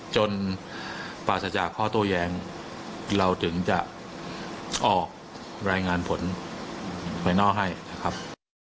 จนปราศจากข้อโต้แย้งเราถึงจะออกรายงานผลภายนอกให้นะครับ